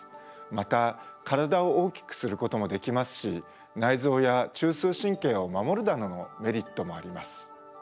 また体を大きくすることもできますし内臓や中枢神経を守るなどのメリットもあります。